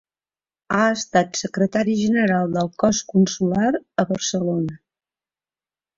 Ha estat secretari general del Cos Consular a Barcelona.